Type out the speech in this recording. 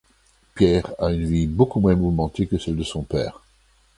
Pierre a une vie beaucoup moins mouvementée que celle de son père.